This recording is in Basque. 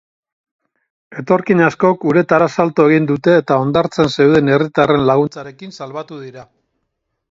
Etorkin askok uretara salto egin dute eta hondartzan zeuden herritarren laguntzarekin salbatu dira.